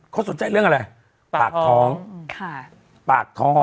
เขาสนใจเรื่องอะไรปากท้องปากท้อง